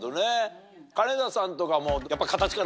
金田さんとかも。